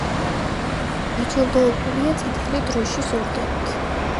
დაჯილდოებულია წითელი დროშის ორდენით.